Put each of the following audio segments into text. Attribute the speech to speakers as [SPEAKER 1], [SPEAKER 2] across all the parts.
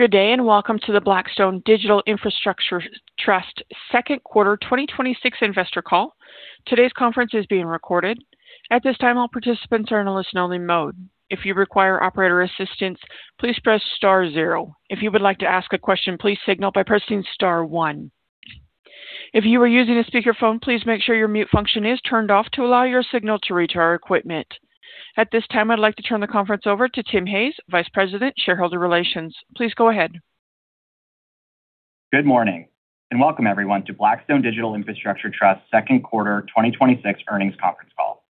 [SPEAKER 1] Good day, and welcome to the Blackstone Digital Infrastructure Trust second quarter 2026 investor call. Today's conference is being recorded. At this time, all participants are in a listen-only mode. If you require operator assistance, please press star zero. If you would like to ask a question, please signal by pressing star one. If you are using a speakerphone, please make sure your mute function is turned off to allow your signal to reach our equipment. At this time, I'd like to turn the conference over to Tim Hayes, Vice President, Shareholder Relations. Please go ahead.
[SPEAKER 2] Good morning, and welcome everyone to Blackstone Digital Infrastructure Trust second quarter 2026 earnings conference call.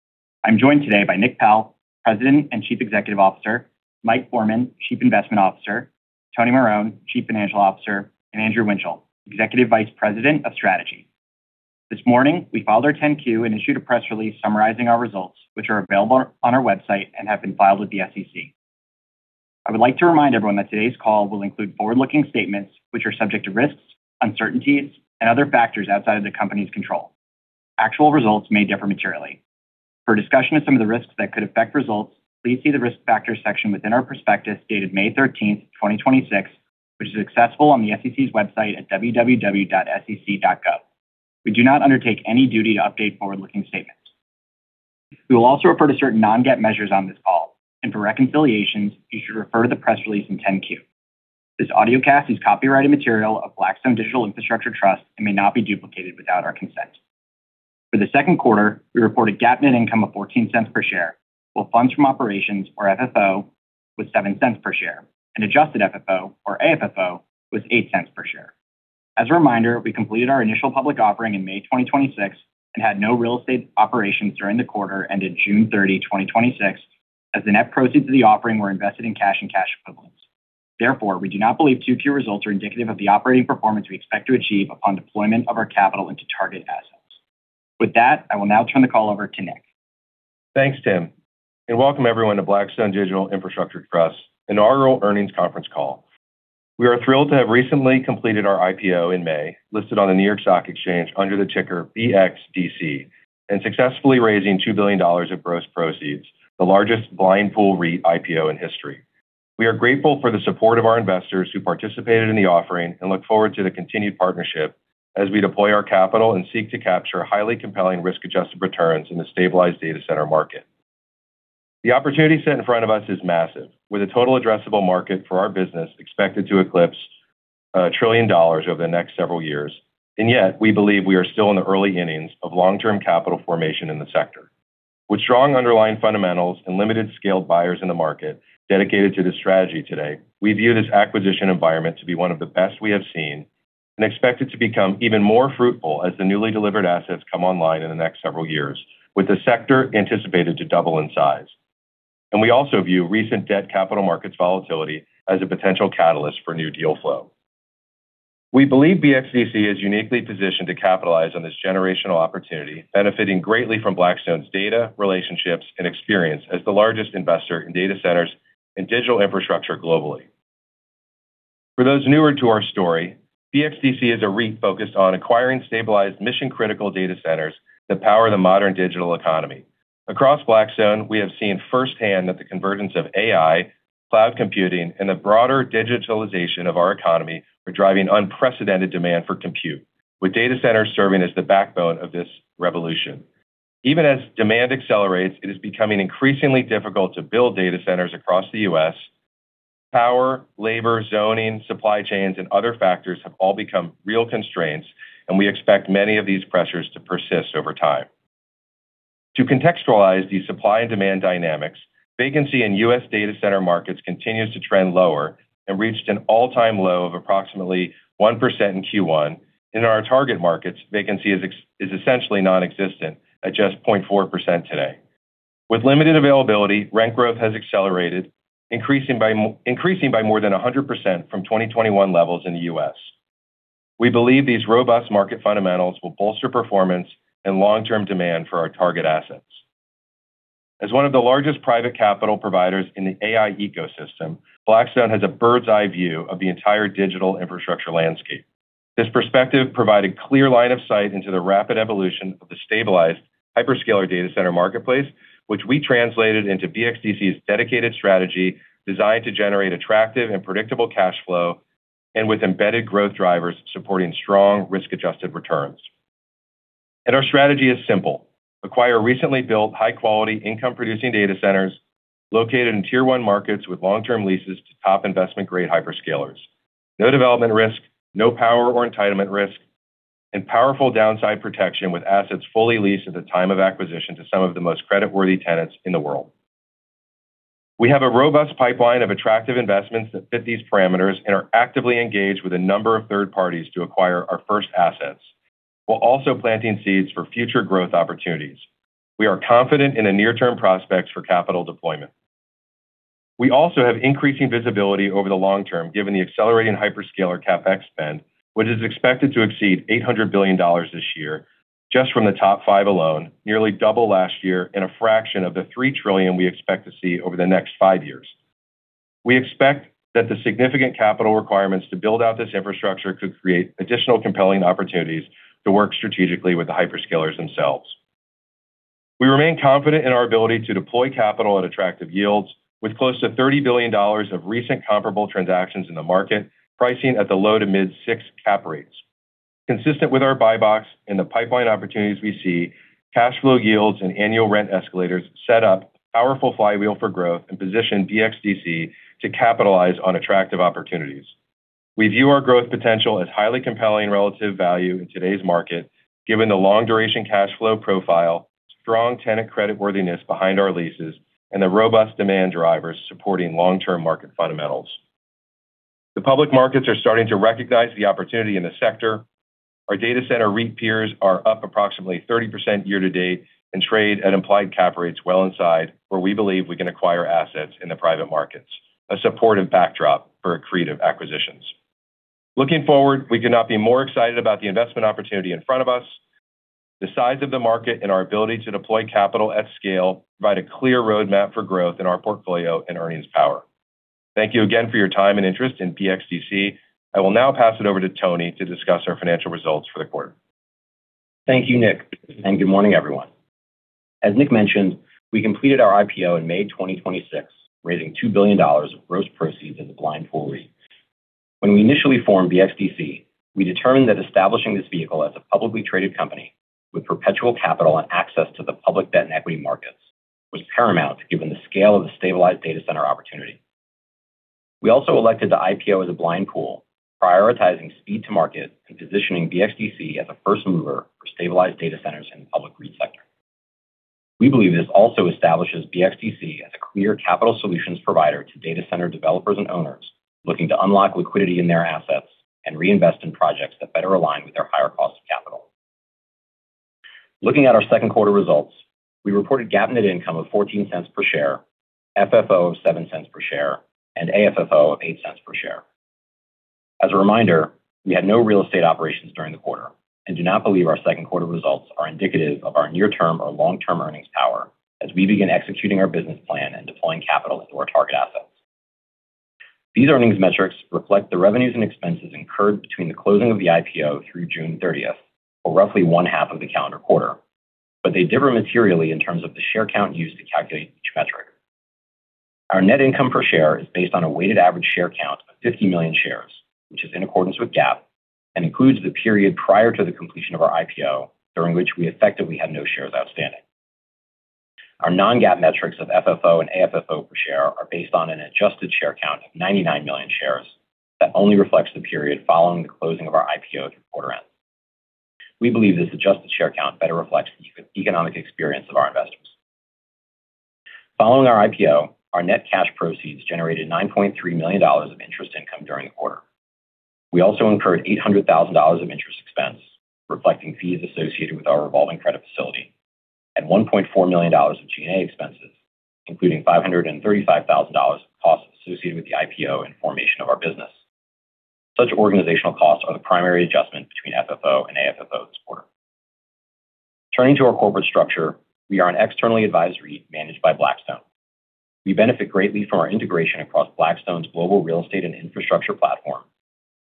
[SPEAKER 2] I'm joined today by Nick Pell, President and Chief Executive Officer, Mike Forman, Chief Investment Officer, Tony Marone, Chief Financial Officer, and Andrew Winchell, Executive Vice President of Strategy. This morning, we filed our 10-Q and issued a press release summarizing our results, which are available on our website and have been filed with the SEC. I would like to remind everyone that today's call will include forward-looking statements, which are subject to risks, uncertainties, and other factors outside of the company's control. Actual results may differ materially. For a discussion of some of the risks that could affect results, please see the Risk Factors section within our prospectus, dated May 13th, 2026, which is accessible on the SEC's website at www.sec.gov. We do not undertake any duty to update forward-looking statements. We will also refer to certain non-GAAP measures on this call. For reconciliations, you should refer to the press release and 10-Q. This audiocast is copyrighted material of Blackstone Digital Infrastructure Trust and may not be duplicated without our consent. For the second quarter, we reported GAAP net income of $0.14 per share, while funds from operations, or FFO, was $0.07 per share, and adjusted FFO, or AFFO, was $0.08 per share. As a reminder, we completed our initial public offering in May 2026 and had no real estate operations during the quarter ended June 30, 2026, as the net proceeds of the offering were invested in cash and cash equivalents. Therefore, we do not believe Q2 results are indicative of the operating performance we expect to achieve upon deployment of our capital into target assets. With that, I will now turn the call over to Nick.
[SPEAKER 3] Thanks, Tim, and welcome everyone to Blackstone Digital Infrastructure Trust's inaugural earnings conference call. We are thrilled to have recently completed our IPO in May, listed on the New York Stock Exchange under the ticker BXDC, and successfully raising $2 billion of gross proceeds, the largest blind pool REIT IPO in history. We are grateful for the support of our investors who participated in the offering and look forward to the continued partnership as we deploy our capital and seek to capture highly compelling risk-adjusted returns in the stabilized data center market. The opportunity set in front of us is massive, with the total addressable market for our business expected to eclipse $1 trillion over the next several years. Yet, we believe we are still in the early innings of long-term capital formation in the sector. With strong underlying fundamentals and limited scaled buyers in the market dedicated to this strategy today, we view this acquisition environment to be one of the best we have seen and expect it to become even more fruitful as the newly delivered assets come online in the next several years, with the sector anticipated to double in size. We also view recent debt capital markets volatility as a potential catalyst for new deal flow. We believe BXDC is uniquely positioned to capitalize on this generational opportunity, benefiting greatly from Blackstone's data, relationships, and experience as the largest investor in data centers and digital infrastructure globally. For those newer to our story, BXDC is a REIT focused on acquiring stabilized mission-critical data centers that power the modern digital economy. Across Blackstone, we have seen firsthand that the convergence of AI, cloud computing, and the broader digitalization of our economy are driving unprecedented demand for compute, with data centers serving as the backbone of this revolution. Even as demand accelerates, it is becoming increasingly difficult to build data centers across the U.S. Power, labor, zoning, supply chains, and other factors have all become real constraints, and we expect many of these pressures to persist over time. To contextualize these supply and demand dynamics, vacancy in U.S. data center markets continues to trend lower and reached an all-time low of approximately 1% in Q1. In our target markets, vacancy is essentially nonexistent at just 0.4% today. With limited availability, rent growth has accelerated, increasing by more than 100% from 2021 levels in the U.S. We believe these robust market fundamentals will bolster performance and long-term demand for our target assets. As one of the largest private capital providers in the AI ecosystem, Blackstone has a bird's eye view of the entire digital infrastructure landscape. This perspective provided clear line of sight into the rapid evolution of the stabilized hyperscaler data center marketplace, which we translated into BXDC's dedicated strategy designed to generate attractive and predictable cash flow, with embedded growth drivers supporting strong risk-adjusted returns. Our strategy is simple: acquire recently built, high-quality, income-producing data centers located in tier 1 markets with long-term leases to top investment-grade hyperscalers. No development risk, no power or entitlement risk, and powerful downside protection, with assets fully leased at the time of acquisition to some of the most creditworthy tenants in the world. We have a robust pipeline of attractive investments that fit these parameters and are actively engaged with a number of third parties to acquire our first assets, while also planting seeds for future growth opportunities. We are confident in the near-term prospects for capital deployment. We also have increasing visibility over the long term given the accelerating hyperscaler CapEx spend, which is expected to exceed $800 billion this year just from the top five alone, nearly double last year and a fraction of the $3 trillion we expect to see over the next five years. We expect that the significant capital requirements to build out this infrastructure could create additional compelling opportunities to work strategically with the hyperscalers themselves. We remain confident in our ability to deploy capital at attractive yields, with close to $30 billion of recent comparable transactions in the market, pricing at the low to mid six cap rates. Consistent with our buy box and the pipeline opportunities we see, cash flow yields and annual rent escalators set up powerful flywheel for growth and position BXDC to capitalize on attractive opportunities. We view our growth potential as highly compelling relative value in today's market, given the long duration cash flow profile, strong tenant creditworthiness behind our leases, and the robust demand drivers supporting long-term market fundamentals. The public markets are starting to recognize the opportunity in the sector. Our data center REIT peers are up approximately 30% year-to-date and trade at implied cap rates well inside where we believe we can acquire assets in the private markets, a supportive backdrop for accretive acquisitions. Looking forward, we could not be more excited about the investment opportunity in front of us. The size of the market and our ability to deploy capital at scale provide a clear roadmap for growth in our portfolio and earnings power. Thank you again for your time and interest in BXDC. I will now pass it over to Tony to discuss our financial results for the quarter.
[SPEAKER 4] Thank you, Nick. Good morning, everyone. As Nick mentioned, we completed our IPO in May 2026, raising $2 billion of gross proceeds as a blind pool REIT. When we initially formed BXDC, we determined that establishing this vehicle as a publicly traded company with perpetual capital and access to the public debt and equity markets was paramount given the scale of the stabilized data center opportunity. We also elected the IPO as a blind pool, prioritizing speed to market and positioning BXDC as a first mover for stabilized data centers in the public REIT sector. We believe this also establishes BXDC as a clear capital solutions provider to data center developers and owners looking to unlock liquidity in their assets and reinvest in projects that better align with their higher cost of capital. Looking at our second quarter results, we reported GAAP net income of $0.14 per share, FFO of $0.07 per share, and AFFO of $0.08 per share. As a reminder, we had no real estate operations during the quarter and do not believe our second quarter results are indicative of our near-term or long-term earnings power as we begin executing our business plan and deploying capital into our target assets. These earnings metrics reflect the revenues and expenses incurred between the closing of the IPO through June 30th, or roughly one half of the calendar quarter. They differ materially in terms of the share count used to calculate each metric. Our net income per share is based on a weighted average share count of 50 million shares, which is in accordance with GAAP and includes the period prior to the completion of our IPO, during which we effectively had no shares outstanding. Our non-GAAP metrics of FFO and AFFO per share are based on an adjusted share count of 99 million shares that only reflects the period following the closing of our IPO through quarter end. We believe this adjusted share count better reflects the economic experience of our investors. Following our IPO, our net cash proceeds generated $9.3 million of interest income during the quarter. We also incurred $800,000 of interest expense, reflecting fees associated with our revolving credit facility, and $1.4 million of G&A expenses, including $535,000 of costs associated with the IPO and formation of our business. Such organizational costs are the primary adjustment between FFO and AFFO this quarter. Turning to our corporate structure, we are an externally advised REIT managed by Blackstone. We benefit greatly from our integration across Blackstone's global real estate and infrastructure platform,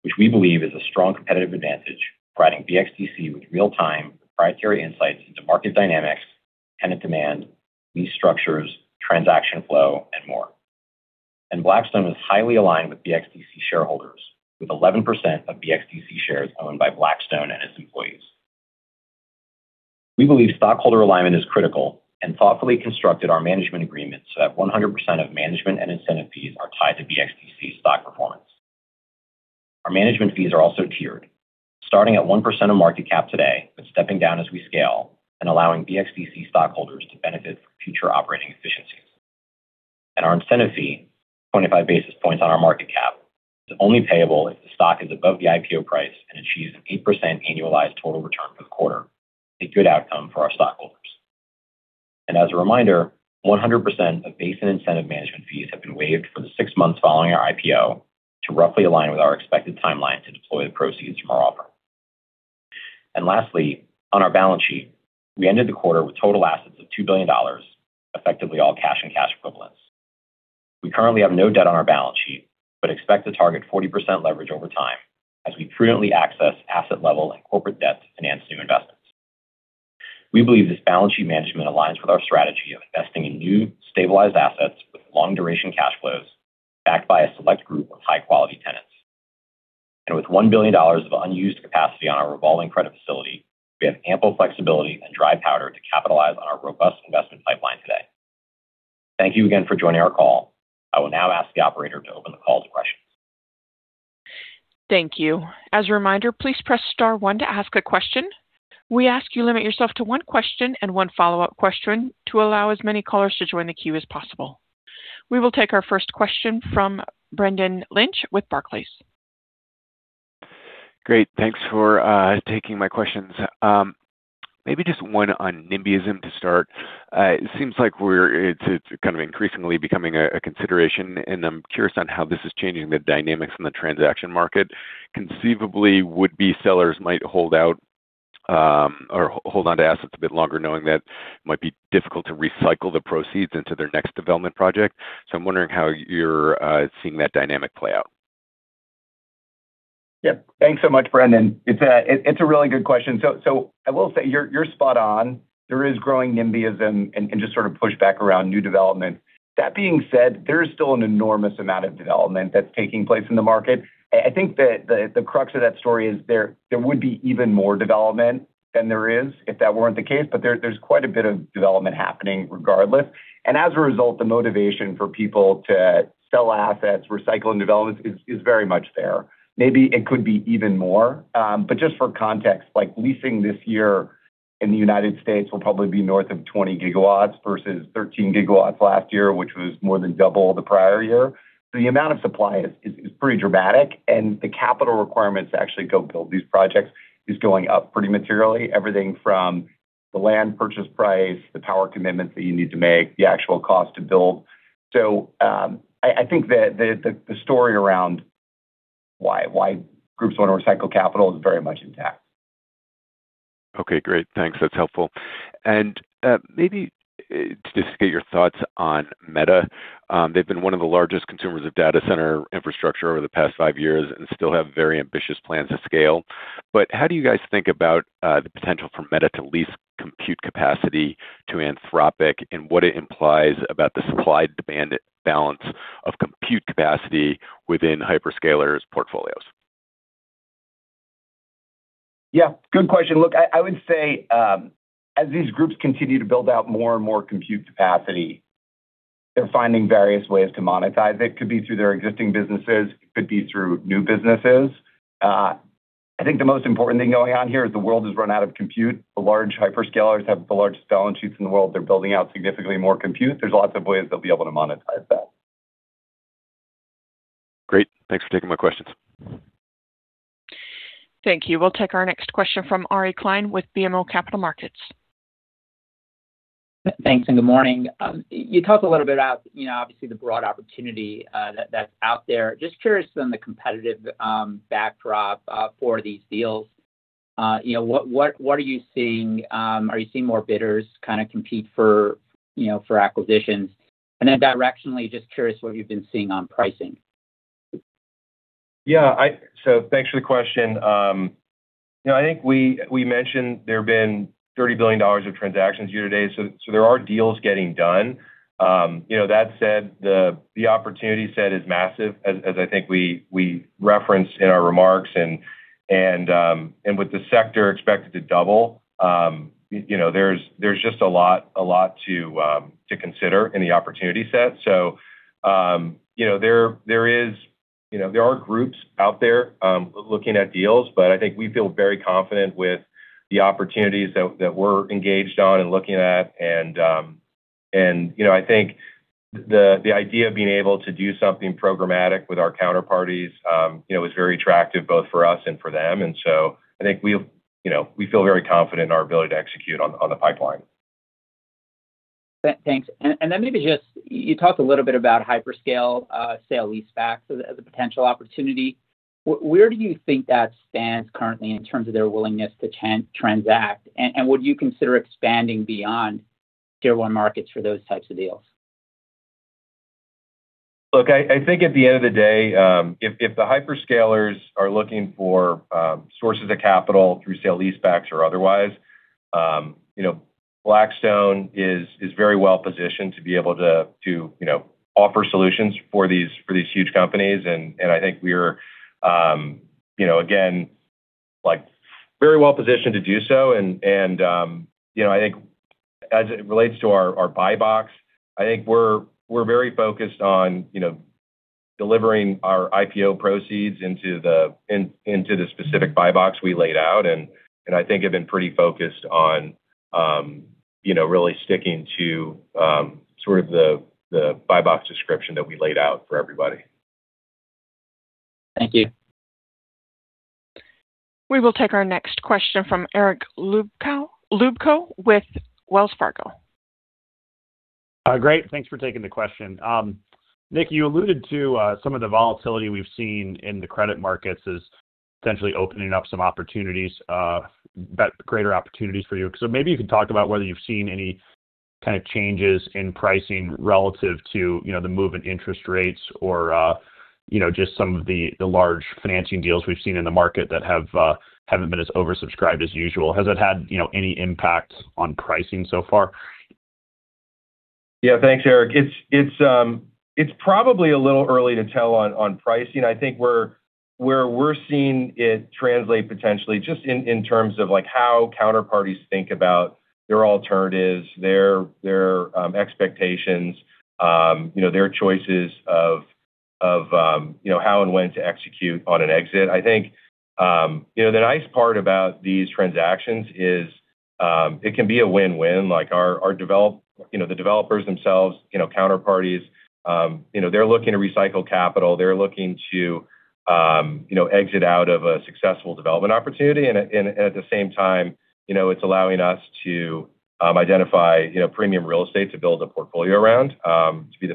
[SPEAKER 4] which we believe is a strong competitive advantage, providing BXDC with real-time proprietary insights into market dynamics, tenant demand, lease structures, transaction flow, and more. Blackstone is highly aligned with BXDC shareholders, with 11% of BXDC shares owned by Blackstone and its employees. We believe stockholder alignment is critical and thoughtfully constructed our management agreement so that 100% of management and incentive fees are tied to BXDC stock performance. Our management fees are also tiered, starting at 1% of market cap today, but stepping down as we scale and allowing BXDC stockholders to benefit from future operating efficiencies. Our incentive fee, 25 basis points on our market cap, is only payable if the stock is above the IPO price and achieves an 8% annualized total return for the quarter, a good outcome for our stockholders. As a reminder, 100% of base and incentive management fees have been waived for the six months following our IPO to roughly align with our expected timeline to deploy the proceeds from our offer. Lastly, on our balance sheet, we ended the quarter with total assets of $2 billion, effectively all cash and cash equivalents. We currently have no debt on our balance sheet, but expect to target 40% leverage over time as we prudently access asset level and corporate debt to finance new investments. We believe this balance sheet management aligns with our strategy of investing in new stabilized assets with long duration cash flows backed by a select group of high quality tenants. With $1 billion of unused capacity on our revolving credit facility, we have ample flexibility and dry powder to capitalize on our robust investment pipeline today. Thank you again for joining our call. I will now ask the operator to open the call to questions.
[SPEAKER 1] Thank you. As a reminder, please press star one to ask a question. We ask you limit yourself to one question and one follow-up question to allow as many callers to join the queue as possible. We will take our first question from Brendan Lynch with Barclays.
[SPEAKER 5] Great. Thanks for taking my questions. Maybe just one on NIMBYism to start. It seems like it's kind of increasingly becoming a consideration, and I'm curious on how this is changing the dynamics in the transaction market. Conceivably, would-be sellers might hold out, or hold onto assets a bit longer, knowing that it might be difficult to recycle the proceeds into their next development project. I'm wondering how you're seeing that dynamic play out.
[SPEAKER 6] Yeah. Thanks so much, Brendan. It's a really good question. I will say you're spot on. There is growing NIMBYism and just sort of pushback around new development. That being said, there is still an enormous amount of development that's taking place in the market. I think that the crux of that story is there would be even more development than there is if that weren't the case. There's quite a bit of development happening regardless. As a result, the motivation for people to sell assets, recycle, and develop is very much there. Maybe it could be even more. Just for context, leasing this year in the U.S. will probably be north of 20 GW versus 13 GW last year, which was more than double the prior year. The amount of supply is pretty dramatic, and the capital requirements to actually go build these projects is going up pretty materially. Everything from the land purchase price, the power commitments that you need to make, the actual cost to build. I think that the story around why groups want to recycle capital is very much intact.
[SPEAKER 5] Okay, great. Thanks. That's helpful. Maybe just to get your thoughts on Meta. They've been one of the largest consumers of data center infrastructure over the past five years and still have very ambitious plans to scale. How do you guys think about the potential for Meta to lease compute capacity to Anthropic, and what it implies about the supply-demand balance of compute capacity within hyperscalers' portfolios?
[SPEAKER 6] Yeah. Good question. Look, I would say as these groups continue to build out more and more compute capacity, they're finding various ways to monetize it. It could be through their existing businesses. It could be through new businesses. I think the most important thing going on here is the world has run out of compute. The large hyperscalers have the largest balance sheets in the world. They're building out significantly more compute. There's lots of ways they'll be able to monetize that.
[SPEAKER 5] Great. Thanks for taking my questions.
[SPEAKER 1] Thank you. We'll take our next question from Ari Klein with BMO Capital Markets.
[SPEAKER 7] Thanks. Good morning. You talked a little bit about obviously the broad opportunity that's out there. Just curious on the competitive backdrop for these deals. What are you seeing? Are you seeing more bidders kind of compete for acquisitions? Then directionally, just curious what you've been seeing on pricing.
[SPEAKER 3] Yeah. Thanks for the question. I think we mentioned there have been $30 billion of transactions year to date. There are deals getting done. That said, the opportunity set is massive, as I think we referenced in our remarks. With the sector expected to double, there's just a lot to consider in the opportunity set. There are groups out there looking at deals, but I think we feel very confident with the opportunities that we're engaged on and looking at. I think the idea of being able to do something programmatic with our counterparties is very attractive both for us and for them. I think we feel very confident in our ability to execute on the pipeline.
[SPEAKER 7] Thanks. Maybe just, you talked a little bit about hyperscale sale-leasebacks as a potential opportunity. Where do you think that stands currently in terms of their willingness to transact? Would you consider expanding beyond Tier 1 markets for those types of deals?
[SPEAKER 3] I think at the end of the day, if the hyperscalers are looking for sources of capital through sale-leasebacks or otherwise, Blackstone is very well positioned to be able to offer solutions for these huge companies. I think we're, again, very well positioned to do so. I think as it relates to our buy box, I think we're very focused on delivering our IPO proceeds into the specific buy box we laid out. I think have been pretty focused on really sticking to sort of the buy box description that we laid out for everybody.
[SPEAKER 7] Thank you.
[SPEAKER 1] We will take our next question from Eric Luebchow with Wells Fargo.
[SPEAKER 8] Great. Thanks for taking the question. Nick, you alluded to some of the volatility we've seen in the credit markets as potentially opening up some greater opportunities for you. Maybe you can talk about whether you've seen any kind of changes in pricing relative to the move in interest rates or just some of the large financing deals we've seen in the market that haven't been as oversubscribed as usual. Has it had any impact on pricing so far?
[SPEAKER 6] Yeah. Thanks, Eric. It's probably a little early to tell on pricing. I think where we're seeing it translate potentially just in terms of how counterparties think about their alternatives, their expectations, their choices of how and when to execute on an exit. I think the nice part about these transactions is it can be a win-win. The developers themselves, counterparties, they're looking to recycle capital. They're looking to exit out of a successful development opportunity. At the same time, it's allowing us to identify premium real estate to build a portfolio around to be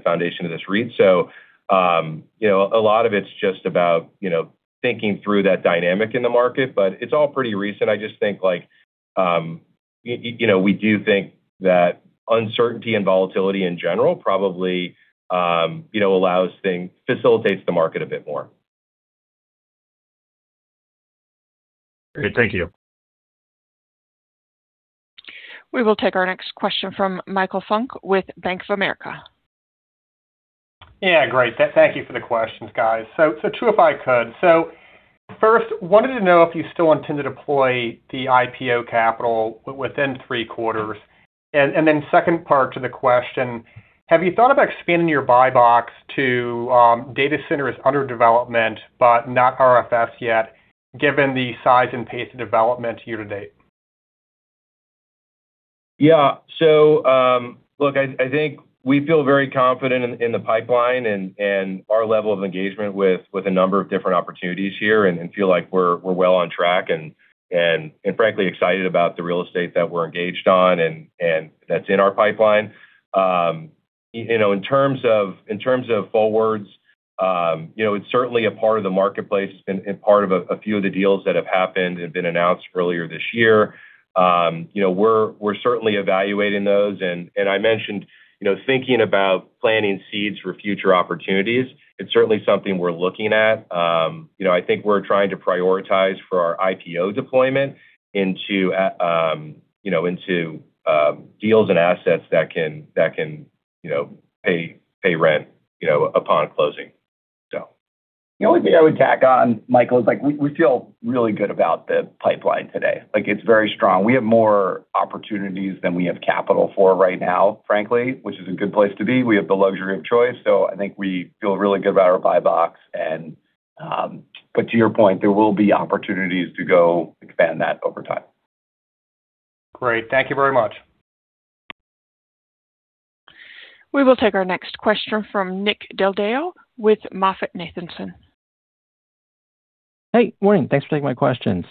[SPEAKER 6] the foundation of this REIT. A lot of it's just about thinking through that dynamic in the market, but it's all pretty recent.
[SPEAKER 3] We do think that uncertainty and volatility in general probably facilitates the market a bit more.
[SPEAKER 8] Great. Thank you.
[SPEAKER 1] We will take our next question from Michael Funk with Bank of America.
[SPEAKER 9] Yeah. Great. Thank you for the questions, guys. Two if I could. First, wanted to know if you still intend to deploy the IPO capital within three quarters. Second part to the question, have you thought about expanding your buy box to data centers under development but not RFS yet, given the size and pace of development year to date?
[SPEAKER 3] Yeah. Look, I think we feel very confident in the pipeline and our level of engagement with a number of different opportunities here and feel like we're well on track and frankly excited about the real estate that we're engaged on and that's in our pipeline. In terms of forwards, it's certainly a part of the marketplace and part of a few of the deals that have happened and been announced earlier this year. We're certainly evaluating those and I mentioned thinking about planting seeds for future opportunities. It's certainly something we're looking at. I think we're trying to prioritize for our IPO deployment into deals and assets that can pay rent upon closing.
[SPEAKER 6] The only thing I would tack on, Michael, is we feel really good about the pipeline today. It's very strong. We have more opportunities than we have capital for right now, frankly, which is a good place to be. We have the luxury of choice, I think we feel really good about our buy box. To your point, there will be opportunities to go expand that over time.
[SPEAKER 9] Great. Thank you very much.
[SPEAKER 1] We will take our next question from Nick Del Deo with MoffettNathanson.
[SPEAKER 10] Hey, morning. Thanks for taking my questions.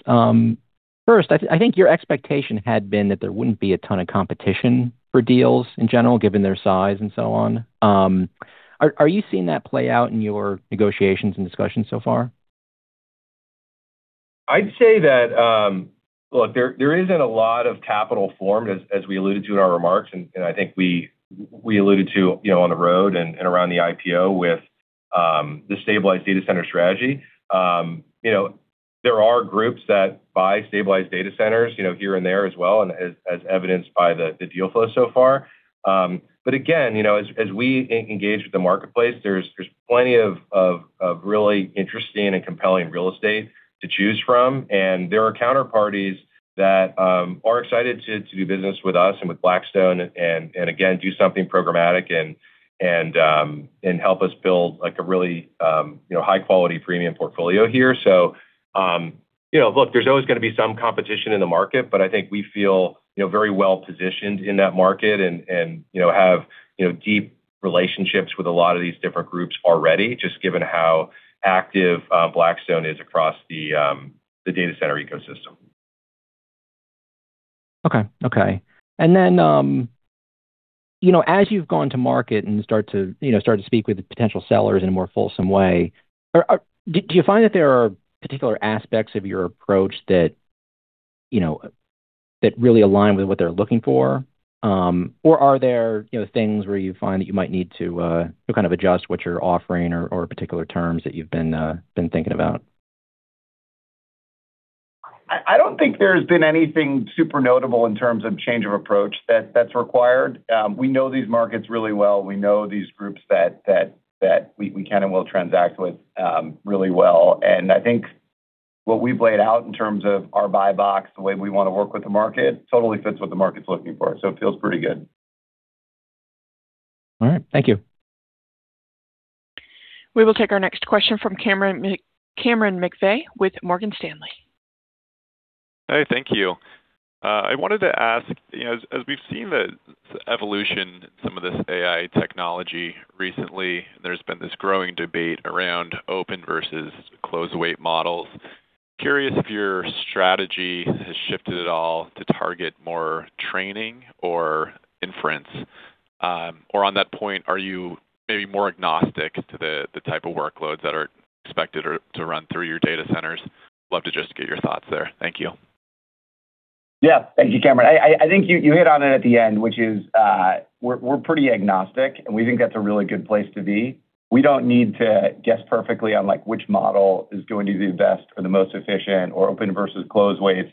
[SPEAKER 10] First, I think your expectation had been that there wouldn't be a ton of competition for deals in general, given their size and so on. Are you seeing that play out in your negotiations and discussions so far?
[SPEAKER 3] I'd say that, look, there isn't a lot of capital formed, as we alluded to in our remarks, and I think we alluded to on the road and around the IPO with the stabilized data center strategy. There are groups that buy stabilized data centers here and there as well, and as evidenced by the deal flow so far. Again, as we engage with the marketplace, there's plenty of really interesting and compelling real estate to choose from, and there are counterparties that are excited to do business with us and with Blackstone and again, do something programmatic and help us build a really high-quality premium portfolio here. Look, there's always going to be some competition in the market, but I think we feel very well-positioned in that market and have deep relationships with a lot of these different groups already, just given how active Blackstone is across the data center ecosystem.
[SPEAKER 10] Okay. As you've gone to market and started to speak with potential sellers in a more fulsome way, do you find that there are particular aspects of your approach that really align with what they're looking for? Are there things where you find that you might need to adjust what you're offering or particular terms that you've been thinking about?
[SPEAKER 3] I don't think there's been anything super notable in terms of change of approach that's required. We know these markets really well. We know these groups that we can and will transact with really well. I think what we've laid out in terms of our buy box, the way we want to work with the market, totally fits what the market's looking for. It feels pretty good.
[SPEAKER 10] All right. Thank you.
[SPEAKER 1] We will take our next question from Cameron McVey with Morgan Stanley.
[SPEAKER 11] Hey. Thank you. I wanted to ask, as we've seen the evolution of some of this AI technology recently, there's been this growing debate around open versus closed weight models. Curious if your strategy has shifted at all to target more training or inference. On that point, are you maybe more agnostic to the type of workloads that are expected to run through your data centers? Love to just get your thoughts there. Thank you.
[SPEAKER 3] Yeah. Thank you, Cameron. I think you hit on it at the end, which is we're pretty agnostic, and we think that's a really good place to be. We don't need to guess perfectly on which model is going to be the best or the most efficient or open versus closed weights.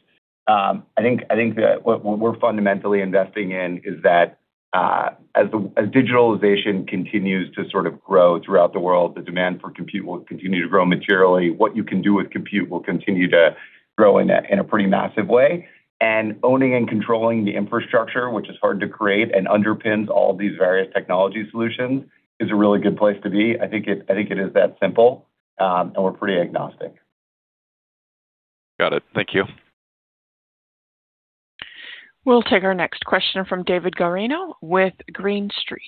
[SPEAKER 3] I think that what we're fundamentally investing in is that as digitalization continues to sort of grow throughout the world, the demand for compute will continue to grow materially. What you can do with compute will continue to grow in a pretty massive way, and owning and controlling the infrastructure, which is hard to create and underpins all of these various technology solutions, is a really good place to be. I think it is that simple, and we're pretty agnostic.
[SPEAKER 11] Got it. Thank you.
[SPEAKER 1] We'll take our next question from David Guarino with Green Street.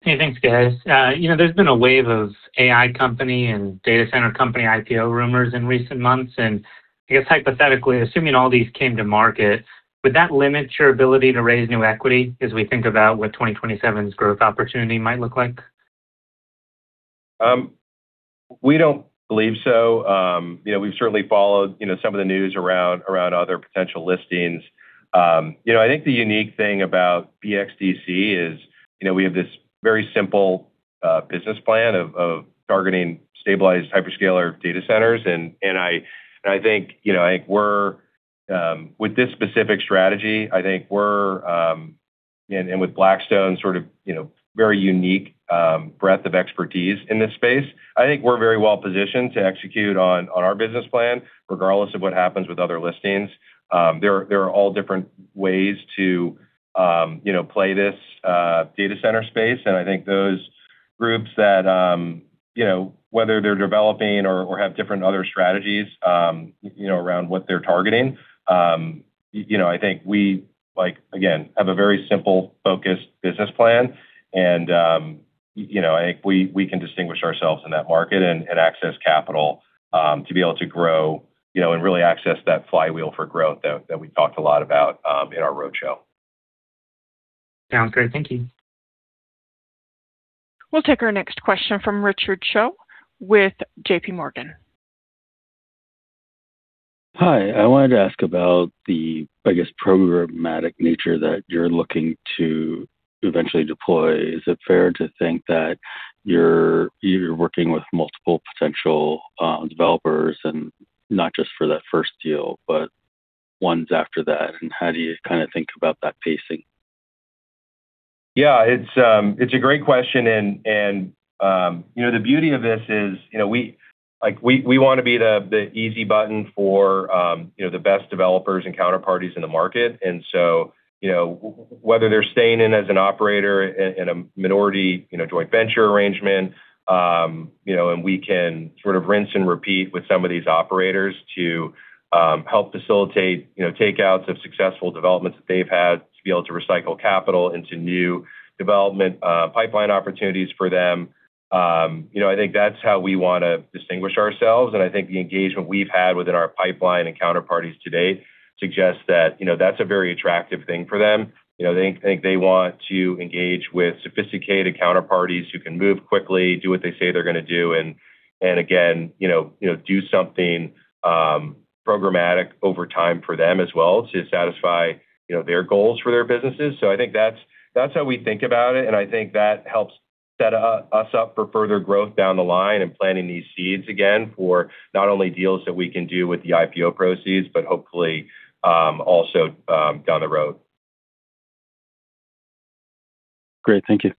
[SPEAKER 12] Hey, thanks, guys. There's been a wave of AI company and data center company IPO rumors in recent months, and I guess hypothetically, assuming all these came to market, would that limit your ability to raise new equity as we think about what 2027's growth opportunity might look like?
[SPEAKER 3] We don't believe so. We've certainly followed some of the news around other potential listings. I think the unique thing about BXDC is we have this very simple business plan of targeting stabilized hyperscaler data centers. I think with this specific strategy, and with Blackstone's sort of very unique breadth of expertise in this space, I think we're very well-positioned to execute on our business plan, regardless of what happens with other listings. There are all different ways to play this data center space, and I think those groups that, whether they're developing or have different other strategies around what they're targeting, I think we, again, have a very simple, focused business plan. I think we can distinguish ourselves in that market and access capital to be able to grow and really access that flywheel for growth that we talked a lot about in our roadshow.
[SPEAKER 12] Sounds great. Thank you.
[SPEAKER 1] We'll take our next question from Richard Choe with JPMorgan.
[SPEAKER 13] Hi. I wanted to ask about the, I guess, programmatic nature that you're looking to eventually deploy. Is it fair to think that you're working with multiple potential developers, and not just for that first deal, but ones after that? How do you kind of think about that pacing?
[SPEAKER 3] Yeah, it's a great question, and the beauty of this is we want to be the easy button for the best developers and counterparties in the market. Whether they're staying in as an operator in a minority joint venture arrangement, and we can sort of rinse and repeat with some of these operators to help facilitate takeouts of successful developments that they've had to be able to recycle capital into new development pipeline opportunities for them. I think that's how we want to distinguish ourselves, and I think the engagement we've had within our pipeline and counterparties to date suggests that that's a very attractive thing for them. I think they want to engage with sophisticated counterparties who can move quickly, do what they say they're going to do, and again, do something programmatic over time for them as well to satisfy their goals for their businesses. I think that's how we think about it, and I think that helps set us up for further growth down the line and planting these seeds again for not only deals that we can do with the IPO proceeds, but hopefully also down the road.
[SPEAKER 13] Great. Thank you.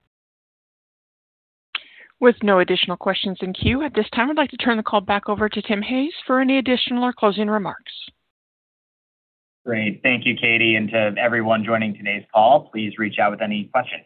[SPEAKER 1] With no additional questions in queue at this time, I'd like to turn the call back over to Tim Hayes for any additional or closing remarks.
[SPEAKER 2] Great. Thank you, Katie, and to everyone joining today's call. Please reach out with any questions.